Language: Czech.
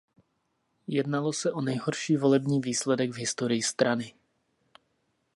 Jednalo se o nejhorší volební výsledek v historii strany.